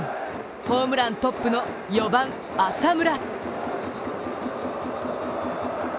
ホームラントップの４番・浅村。